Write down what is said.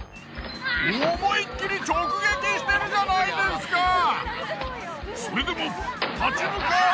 思いっきり直撃してるじゃないですか！